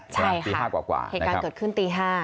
ใช่ค่ะตีห้ากว่ากว่าเนี้ยครับเหตุการณ์เกิดขึ้นตีห้า